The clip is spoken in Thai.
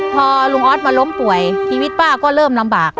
พอลุงออสมาล้มป่วยชีวิตป้าก็เริ่มลำบาก